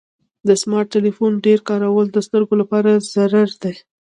د سمارټ ټلیفون ډیر کارول د سترګو لپاره ضرري دی.